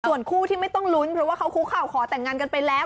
ส่วนคู่ที่ไม่ต้องลุ้นเพราะว่าเขาคุกข่าวขอแต่งงานกันไปแล้ว